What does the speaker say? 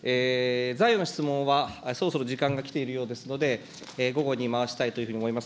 残余の質問は、そろそろ時間が来ているようですので、午後に回したいというふうに思います。